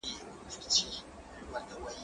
زه به سبا سينه سپين کوم؟